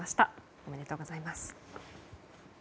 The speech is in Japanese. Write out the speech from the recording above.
おめでとうございます。